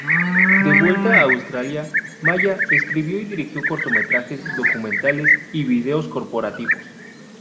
De vuelta a Australia, Malla escribió y dirigió cortometrajes documentales y vídeos corporativos.